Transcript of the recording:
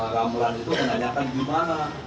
ramalan itu menanyakan gimana